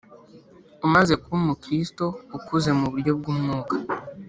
umaze kuba Umukristo ukuze mu buryo bw’umwuka